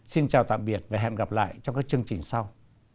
xin chào tạm biệt và hẹn gặp lại trong các chương trình sau